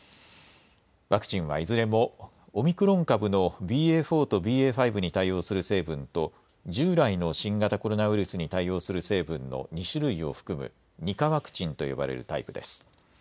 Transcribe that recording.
ワクチンはいずれもオミクロン株のＢＡ．４とＢＡ．５に対応する成分と従来の新型コロナウイルスに対応する成分の２種類を含む２価ワクチンと呼ばれるタイプです。